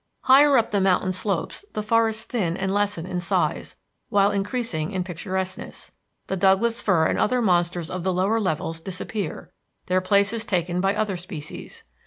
Higher up the mountain slopes the forests thin and lessen in size, while increasing in picturesqueness. The Douglas fir and other monsters of the lower levels disappear, their places taken by other species.